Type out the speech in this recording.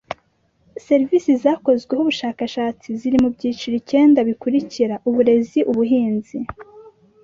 Serivisi zakozweho ubushakashatsi ziri mu byiciro icyenda bikurikira uburezi ubuhinzi